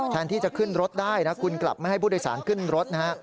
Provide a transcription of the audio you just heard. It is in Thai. แทนที่จะขึ้นรถได้นะคุณกลับไม่ให้ผู้โดยสารขึ้นรถนะฮะ